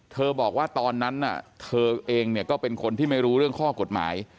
บอกว่าตอนนั้นเธอเองเนี่ยก็เป็นคนที่ไม่รู้เรื่องข้อกฎหมาย